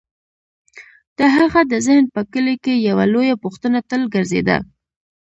د هغه د ذهن په کلي کې یوه لویه پوښتنه تل ګرځېده: